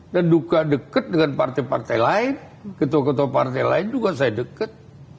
dan dekat dengan partai partai lain ketua ketua partai lain juga saya dekat